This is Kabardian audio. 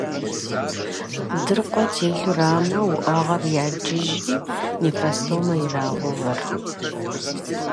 Дыркъуэ телъурамэ, уӏэгъэр ядыжри, нефростомэ ирагъэувэр.